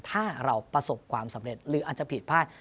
ถ้าเราประสบความสำเร็จหรืออาจจะผิดพลาด